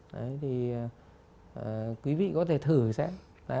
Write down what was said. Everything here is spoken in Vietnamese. đấy thì quý vị có thể thử xem